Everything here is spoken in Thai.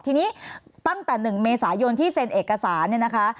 ทีนี้ตั้งแต่๑เมษายนที่เซ็นเอกสารเนี่ยนะคะ